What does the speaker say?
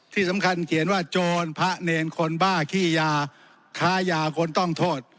ที่สำคัญเขียนว่าโจรพระเนรคนบ้าขี้ยาค้ายาคนต้องโทษ